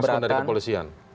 apa terasakan dari kepolisian